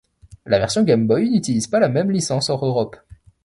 La version Game Boy n'utilise pas la même licence hors europe.